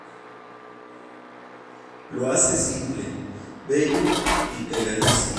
Lo hace simple, bello y pegadizo.